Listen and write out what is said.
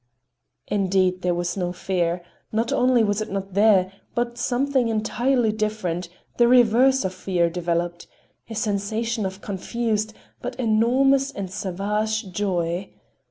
Indeed there was no fear. Not only was it not there, but something entirely different, the reverse of fear, developed—a sensation of confused, but enormous and savage joy.